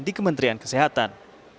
di kementerian kesehatan